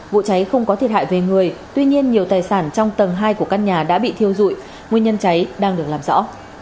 vụ cháy không có thiệt hại về người tuy nhiên nhiều tài sản trong tầng hai của căn nhà đã bị thiêu dụi nguyên nhân cháy đang được làm rõ